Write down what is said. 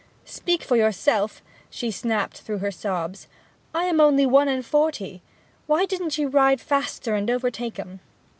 'Speak for yourself!' she snapped through her sobs. 'I am only one and forty! ... Why didn't ye ride faster and overtake 'em!'